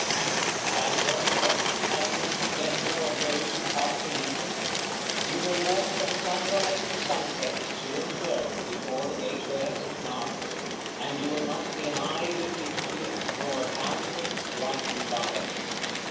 § XV. And what effect has this splendor on those who pass beneath it? You may walk from sunrise to sunset, to and fro, before the gateway of St. Mark's, and you will not see an eye lifted to it, nor a countenance brightened by it.